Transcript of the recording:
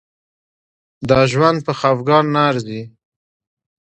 دا ژوند په خفګان نه ارزي.